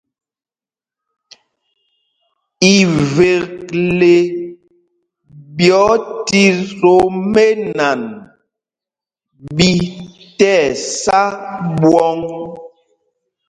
Ivekle ɓi otit o mɛ́nan ɓi tí ɛsá ɓwɔ̂ŋ.